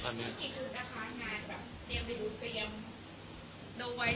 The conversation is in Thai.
เมื่อกี้คือก็ค่อนข้างงานแบบเตรียมไปดูเครียม